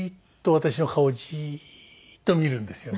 私の顔をじーっと見るんですよね。